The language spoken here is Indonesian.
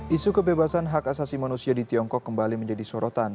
isu kebebasan hak asasi manusia di tiongkok kembali menjadi sorotan